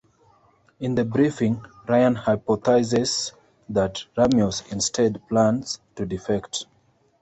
In the briefing, Ryan hypothesizes that Ramius instead plans to defect.